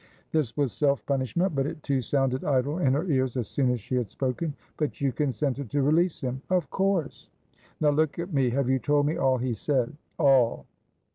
This was self punishment, but it, too, sounded idle in her ears as soon as she had spoken. "But you consented to release him?" "Of course." "Now, look at me. Have you told me all he said?" "All."